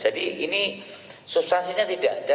ini substansinya tidak ada